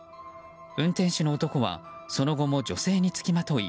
運転手の男はその後も女性に付きまとい